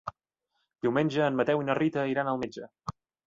Diumenge en Mateu i na Rita iran al metge.